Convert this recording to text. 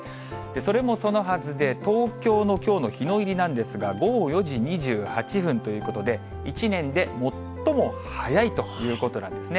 それもそのはずで、東京のきょうの日の入りなんですが、午後４時２８分ということで、１年で最も早いということなんですね。